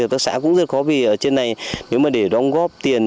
hợp tác xã cũng rất khó vì ở trên này nếu mà để đóng góp tiền